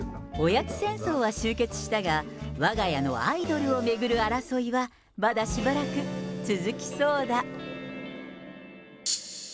おやつ戦争は終結したが、わが家のアイドルを巡る争いは、まだしばらく続きそうだ。